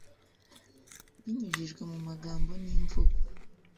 binyujijwe mu magambo n’imvugo